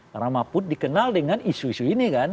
karena mahfud dikenal dengan isu isu ini kan